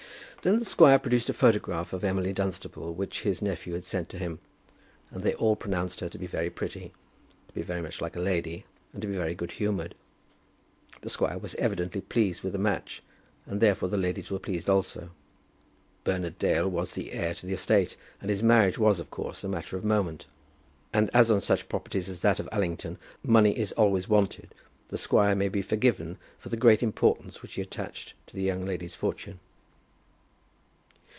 Then the squire produced a photograph of Emily Dunstable which his nephew had sent to him, and they all pronounced her to be very pretty, to be very much like a lady, and to be very good humoured. The squire was evidently pleased with the match, and therefore the ladies were pleased also. Bernard Dale was the heir to the estate, and his marriage was of course a matter of moment; and as on such properties as that of Allington money is always wanted, the squire may be forgiven for the great importance which he attached to the young lady's fortune.